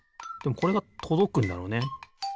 でもこれがとどくんだろうね。